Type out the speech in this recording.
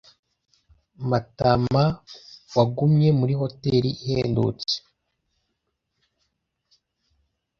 Matamawagumye muri hoteri ihendutse.